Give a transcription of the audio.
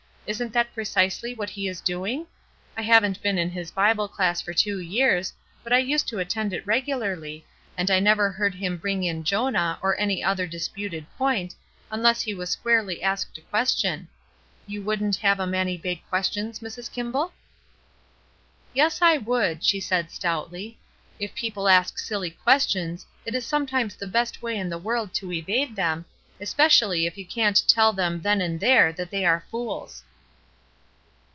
Isn't that precisely what he is doing? I haven't been in his Bible class for two years, but I used to attend it regularly, and I never heard him bring in Jonah or any other disputed point, xmless he was squarely asked a question. You wouldn't have a man evade questions, Mrs. Kimball?" "WOULDN'T YOU?" 269 "Yes, I would/' she said stoutly. "If people ask silly questions, it is sometimes the best way in the world to evade them, espe cially if you can't tell them then and there that they are fools."